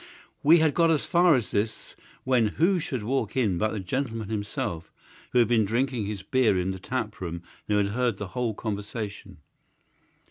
We had got as far as this when who should walk in but the gentleman himself, who had been drinking his beer in the tap room and had heard the whole conversation.